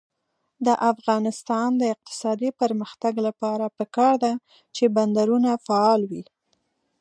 د افغانستان د اقتصادي پرمختګ لپاره پکار ده چې بندرونه فعال وي.